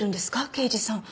刑事さん。